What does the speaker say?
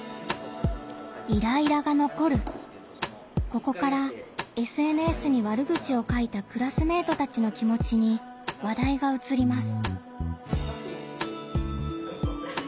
ここからＳＮＳに悪口を書いたクラスメートたちの気もちに話題がうつります。